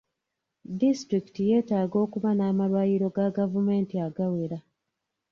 Disitulikiti yeetaaga okuba n'amalwaliro ga gavumenti agawera.